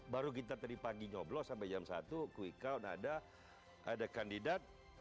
baru kita tadi pagi nyoblo sampai jam satu quick count ada kandidat